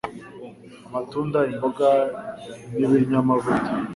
amatunda, imboga, ni binyamavuta.